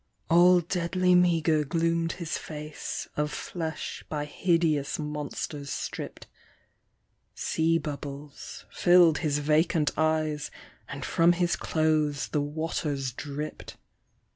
All deadly meagre gloom'd his face, Of flesh by hideous monsters stripp'd ; Sea bubbles fill'd his vacant eyes, And from his clothes the waters dripp'd.